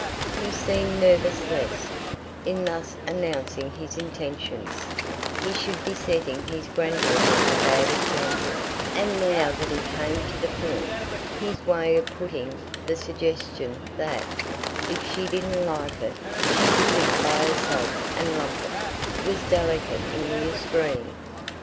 He seemed nervous lest, in thus announcing his intentions, he should be setting his granddaughter a bad example; and now that he came to the point, his way of putting the suggestion that, if she didn't like it, she could live by herself and lump it, was delicate in the extreme.